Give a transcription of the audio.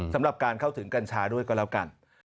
สำหรับการเข้าถึงกัญชาด้วยก็แล้วกัน